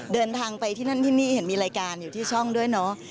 เดินทางไปที่นั่นที่นี่เห็นมีรายการอยู่ที่ช่องด้วยเนาะ